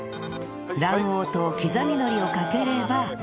卵黄と刻み海苔をかければ